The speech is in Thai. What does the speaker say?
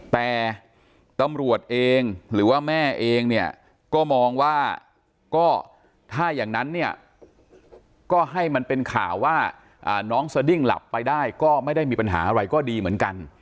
แต่ตำรวจเองหรือว่าแม่เองเนี่ยก็มองว่าก็ถ้าอย่างนั้นเนี่ยก็ให้มันเป็นข่าวว่าน้องสดิ้งหลับไปได้ก็ไม่ได้มีปัญหาอะไรก็ดีเหมือนกัน